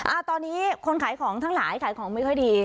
อ่าตอนนี้คนขายของทั้งหลายขายของไม่ค่อยดี